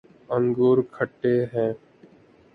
انگور کھٹے ہیں